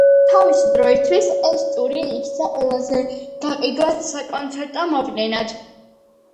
თავისი დროისთვის ეს ტური იქცა ყველაზე გაყიდვად საკონცერტო მოვლენად.